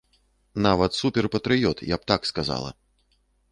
Нават супер-патрыёт, я б так сказала!